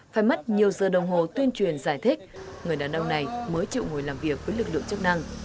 phải mất nhiều giờ đồng hồ tuyên truyền giải thích người đàn ông này mới chịu ngồi làm việc với lực lượng chức năng